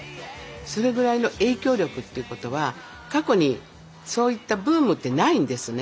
それぐらいの影響力ってことは過去にそういったブームってないんですね。